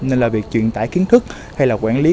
nên là việc truyền tải kiến thức hay là quản lý